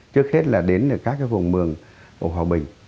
trước hết là đến các cái vùng mường ở hòa bình